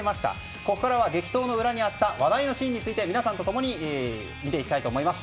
ここからは激闘の裏にあった話題のシーンについて皆さんと共に見ていきたいと思います。